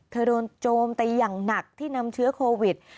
โดนโจมตีอย่างหนักที่นำเชื้อโควิด